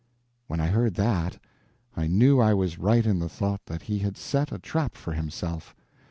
When I heard that, I knew I was right in the thought that he had set a trap for himself.